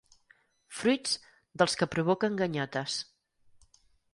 Fruits dels que provoquen ganyotes.